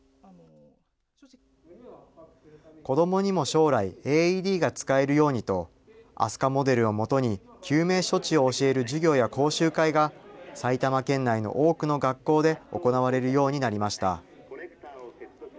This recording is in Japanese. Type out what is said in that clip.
子どもにも将来、ＡＥＤが使えるようにと、ＡＳＵＫＡモデルをもとに救命処置を教える授業や講習会が、埼玉県内の多くの学校で行われるようになりました。